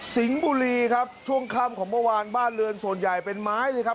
บุรีครับช่วงค่ำของเมื่อวานบ้านเรือนส่วนใหญ่เป็นไม้เลยครับ